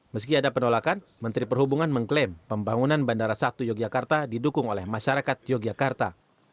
meski ada penolakan menteri perhubungan mengklaim pembangunan bandara satu yogyakarta didukung oleh masyarakat yogyakarta